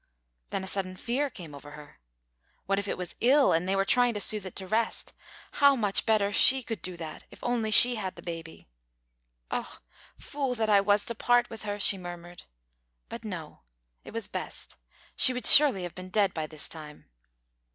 Then a sudden fear came over her. What if it was ill, and they were trying to soothe it to rest! How much better she could do that if she only had the baby! "Oh! fool that I was to part with her!" she murmured, "but no. It was best. She would surely have bin dead by this time."